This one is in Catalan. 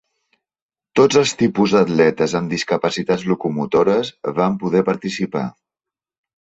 Tots els tipus d'atletes amb discapacitats locomotores van poder participar.